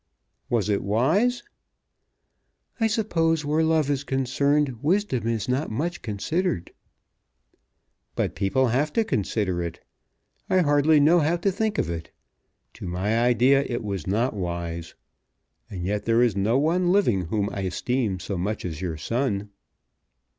"Was it wise?" "I suppose where love is concerned wisdom is not much considered." "But people have to consider it. I hardly know how to think of it. To my idea it was not wise. And yet there is no one living whom I esteem so much as your son."